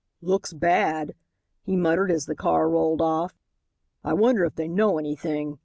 "Looks bad," he muttered as the car rolled off; "I wonder if they know anything.